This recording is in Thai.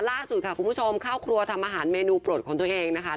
ล่าสุดค่ะคุณผู้ชมเข้าครัวทำอาหารเมนูโปรดของตัวเองนะคะ